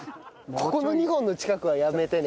ここの２本の近くはやめてね。